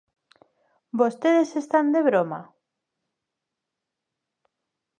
¿Vostedes están de broma?